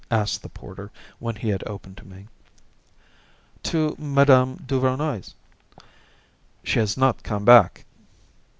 asked the porter, when he had opened to me. "To Mme. Duvernoy's." "She has not come back."